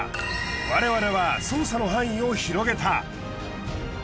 我々は捜査の範囲を広げた。